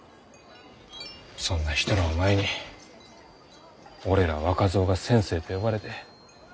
そんな人らを前に俺ら若造が「先生」と呼ばれて。